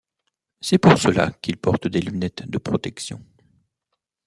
C'est pour cela qu'il porte des lunettes de protection.